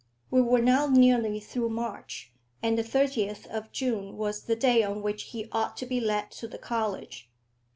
We were now nearly through March, and the thirtieth of June was the day on which he ought to be led to the college.